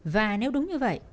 và nếu đúng như vậy